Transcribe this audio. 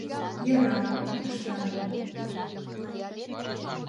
— Йӧра, — ыштальым.